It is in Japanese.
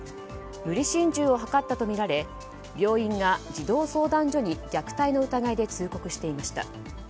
無理心中を図ったとみられ病院が児童相談所に虐待の疑いで通告していました。